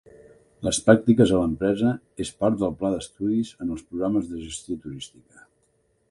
Les pràctiques a l'empresa és part del pla d'estudis en els programes de gestió turística.